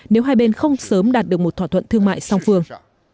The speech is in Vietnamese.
nếu hai bên không sớm đạt được một thỏa thuận thương mại song phương